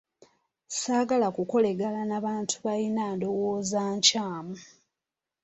Ssaagala kukolagana na bantu balina ndowooza nkyamu.